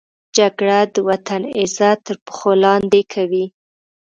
جګړه د وطن عزت تر پښو لاندې کوي